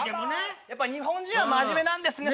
やっぱ日本人は真面目なんですね。